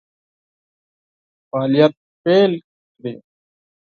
فعالیت پیل کړي.